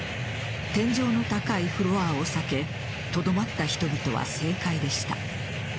天井の高いフロアを避けとどまった人々は正解でした。